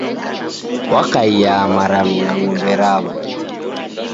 Wakaia maranu na ng'ombe raw'o.